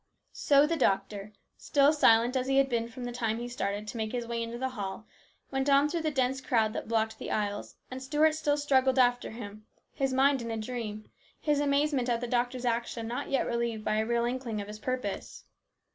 So the doctor, still silent as he had been from the time he started to make his way into the hall, went on through the dense crowd that blocked the aisles, and Stuart still struggled after him, his mind in a dream, his amazement at the doctor's action not yet relieved by a real inkling of his purpose.